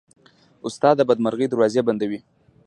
استاد د بدمرغۍ دروازې بندوي.